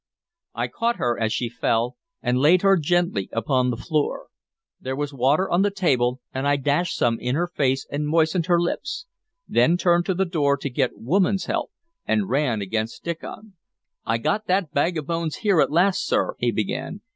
I caught her as she fell, and laid her gently upon the floor. There was water on the table, and I dashed some in her face and moistened her lips; then turned to the door to get woman's help, and ran against Diccon. "I got that bag of bones here at last, sir," he began.